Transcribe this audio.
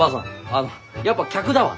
あのやっぱ客だわ。